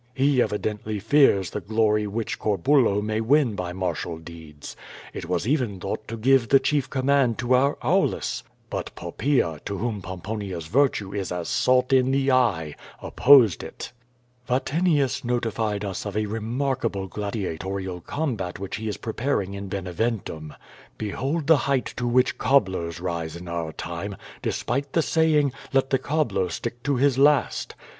He evidently fears the glory which Corbulo may win by martial deeds. It was even thought to give the chief command to our Aulus, but Poppaea, to whom Pomponia's virtue is as salt in the eye, opposed it. Vatinius notified us of a remarkable gladiatoral combat which he is preparing in Beneventum. Behold the height to which cobblers rise in our time, despite the saying, "let the cobbler stick to his last."